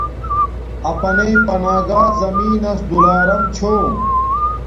اپناݵ پناگاہ زمین نس دولارم چھوم